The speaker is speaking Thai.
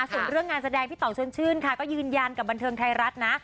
ส่วนเรื่องงานแสดงพี่ต่องชนชื่นค่ะก็ยืนยันกับบันเทิงไทยรัฐนะ